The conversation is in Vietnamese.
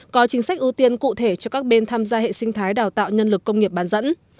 có chính sách ưu tiên cụ thể cho các bên tham gia hệ sinh thái đào tạo nhân lực công nghiệp bán dẫn